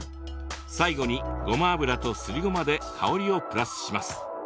最後にごま油とすりごまで香りをプラスします。